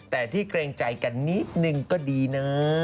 แต่ที่เกรงใจกันนิดนึงก็ดีนะ